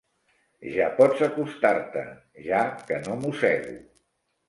Ja pots acostar-te, ja, que no mossego.